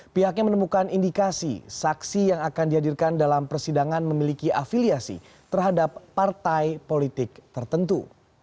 pihaknya menemukan indikasi saksi yang akan dihadirkan dalam persidangan memiliki afiliasi terhadap partai politik tertentu